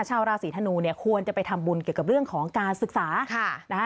ชาวราศีธนูเนี่ยควรจะไปทำบุญเกี่ยวกับเรื่องของการศึกษาค่ะนะฮะ